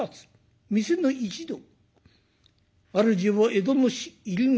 店の一同主を江戸の入り口